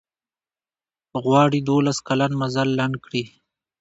غواړي دولس کلن مزل لنډ کړي.